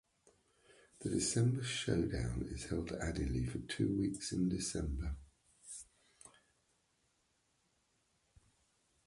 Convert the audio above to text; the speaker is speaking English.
The December Showdown is held annually for two weeks in December.